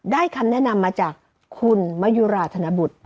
คำแนะนำมาจากคุณมะยุราธนบุตร